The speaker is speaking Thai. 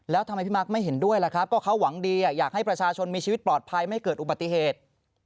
แล้วทำไมพี่มาร์คไม่เห็นด้วยล่ะครับก็เขาหวังดีอยากให้ประชาชนมีชีวิตปลอดภัยไม่เกิดอุบัติเหตุ